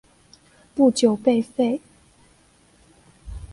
不久被废。